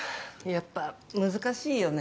やっぱ難しいよね？